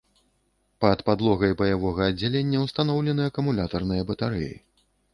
Пад падлогай баявога аддзялення ўстаноўлены акумулятарныя батарэі.